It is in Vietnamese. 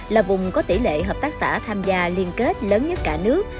là vùng có tỷ lệ hợp tác xã tham gia liên kết lớn nhất cả nước